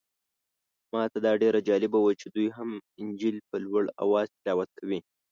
ماته دا ډېر جالبه و چې دوی هم انجیل په لوړ اواز تلاوت کوي.